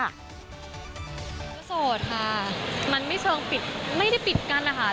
ก็โสดค่ะมันไม่เชิงปิดไม่ได้ปิดกั้นนะคะ